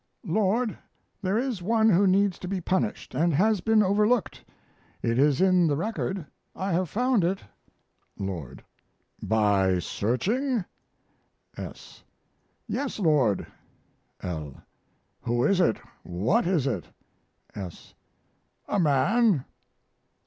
Lord, there is one who needs to be punished, and has been overlooked. It is in the record. I have found it. LORD. By searching? S. Yes, Lord. L. Who is it? What is it? S. A man.